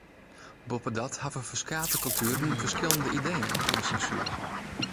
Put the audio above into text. Boppedat hawwe ferskate kultueren ferskillende ideeën oer sensuer.